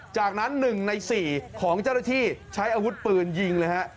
จากนั้น๑ใน๔ของเจ้าหน้าที่ใช้อาวุธปืนยิงเลยฮะ